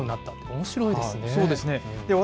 おもしろいですね。